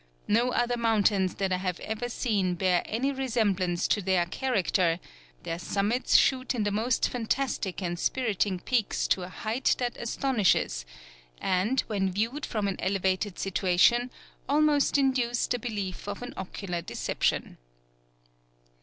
No other mountains that I have ever seen bear any resemblance to their character; their summits shoot in the most fantastic and spiring peaks to a height that astonishes, and, when viewed from an elevated situation, almost induce the belief of an ocular deception."